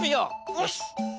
よし。